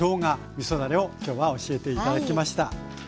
みそだれを今日は教えて頂きました。